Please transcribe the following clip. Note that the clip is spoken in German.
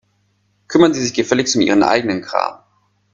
Kümmern Sie sich gefälligst um Ihren eigenen Kram.